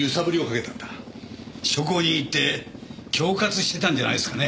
証拠を握って恐喝してたんじゃないですかね。